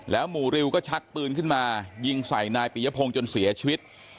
หมู่ริวก็ชักปืนขึ้นมายิงใส่นายปียพงศ์จนเสียชีวิต